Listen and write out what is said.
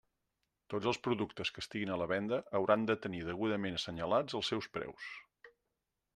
Tots els productes que estiguin a la venda hauran de tenir degudament assenyalats els seus preus.